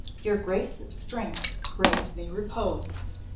Your Grace's strength brings me repose!"